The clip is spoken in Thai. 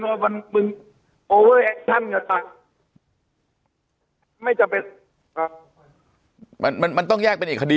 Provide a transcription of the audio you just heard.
ว่ามันมึงโอเวอร์แอคชั่นไม่จำเป็นมันต้องแยกเป็นอีกคดี